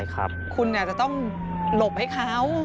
ใช่ครับคุณอาจจะต้องหลบให้เขา